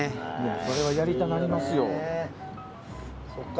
これは、やりたなりますよ。